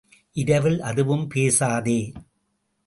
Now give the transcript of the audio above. இரவில் அதுவும் பேசாதே!